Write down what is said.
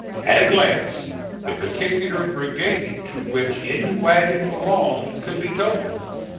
At a glance, the particular brigade to which any wagon belonged could be told.